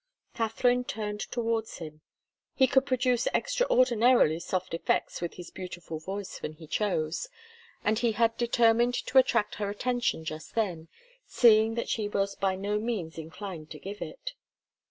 Katharine turned towards him. He could produce extraordinarily soft effects with his beautiful voice when he chose, and he had determined to attract her attention just then, seeing that she was by no means inclined to give it.